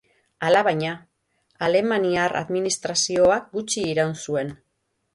Alabaina, alemaniar administrazioak gutxi iraun zuen.